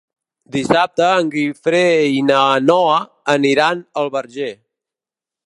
Dissabte en Guifré i na Noa aniran al Verger.